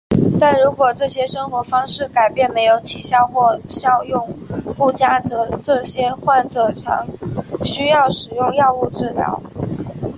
但如果生活方式改变没有起效或效用不佳则这些患者常需要使用药物治疗。